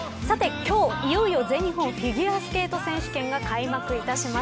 今日いよいよ全日本フィギュアスケート選手権が開幕します。